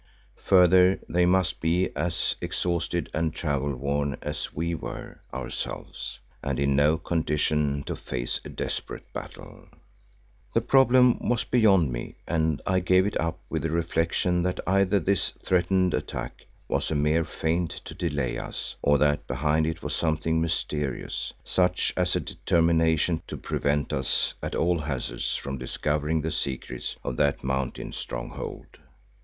Further they must be as exhausted and travel worn as we were ourselves and in no condition to face a desperate battle. The problem was beyond me and I gave it up with the reflection that either this threatened attack was a mere feint to delay us, or that behind it was something mysterious, such as a determination to prevent us at all hazards from discovering the secrets of that mountain stronghold.